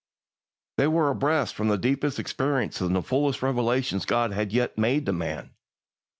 They were abreast of the deepest experiences and fullest revelations God had yet made to men.